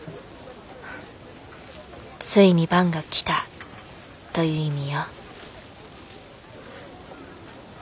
「ついに番が来た」という意味よ。